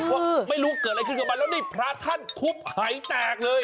เพราะไม่รู้ว่าเกิดอะไรขึ้นกับมันแล้วนี่พระท่านทุบหายแตกเลย